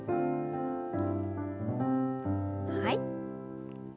はい。